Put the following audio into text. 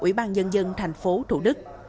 ủy ban nhân dân thành phố thủ đức